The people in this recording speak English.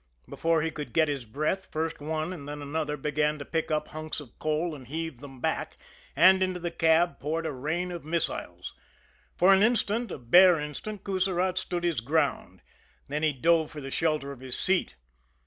Before he could get his breath, first one and then another began to pick up hunks of coal and heave them back and into the cab poured a rain of missiles. For an instant, a bare instant, Coussirat stood his ground, then he dove for the shelter of his seat.